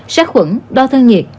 sát khuẩn đo thân nhiệt